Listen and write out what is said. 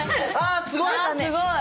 あすごい！